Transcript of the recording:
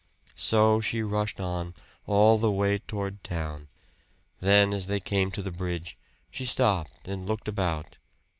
So she rushed on, all the way toward town. Then, as they came to the bridge, she stopped and looked about.